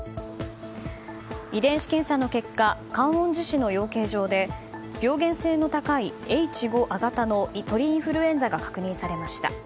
遺伝子検査の結果観音寺市の養鶏場で病原性の高いＨ５亜型の鳥インフルエンザが確認されました。